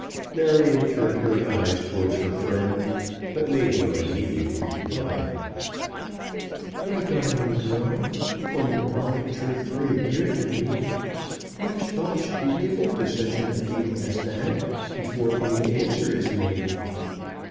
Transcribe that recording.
Marion turned her eyes towards her friend, but made no immediate reply. "My darling girl, for you in truth are very dear to me, much thought should be given to such an appeal as that before any answer is made."